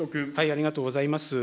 ありがとうございます。